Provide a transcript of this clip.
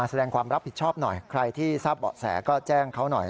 ยังไม่มีใครติดต่อกับมันเลย